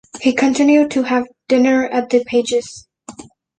He continued to have dinner at the Pages'.